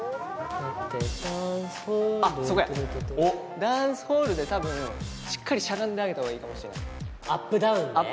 「ダンスホール」「ダンスホール」で多分しっかりしゃがんであげた方がいいかもしれない。